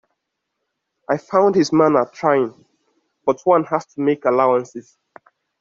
I found his manner trying, but one has to make allowances.